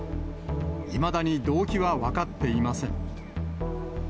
いまだに動機は分かっていません。